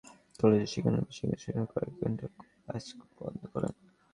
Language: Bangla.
আজও স্যার সলিমুল্লাহ মেডিকেল কলেজের শিক্ষানবিশ চিকিৎসকেরা কয়েক ঘণ্টা কাজ বন্ধ রাখেন।